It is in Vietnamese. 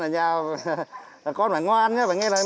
hai mẹ con ở nhà con phải ngoan nhá phải nghe nói mẹ nha